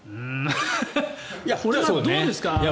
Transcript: これはどうですか。